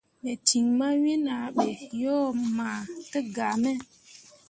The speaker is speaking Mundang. Me cin mawen ah ɓe yo mah tǝgaa me.